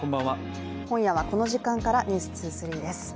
今夜はこの時間から「ｎｅｗｓ２３」です。